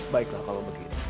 baiklah kalau begitu